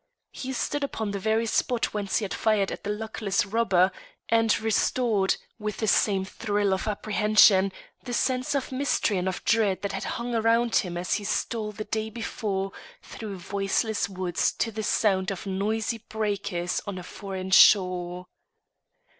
He stood upon the very spot whence he had fired at the luckless robber, and restored, with the same thrill of apprehension, the sense of mystery and of dread that had hung round him as he stole the day before through voiceless woods to the sound of noisy breakers on a foreign shore.